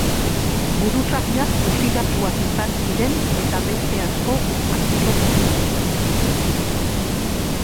Buruzagiak fusilatuak izan ziren eta beste asko atxilotu zituzten.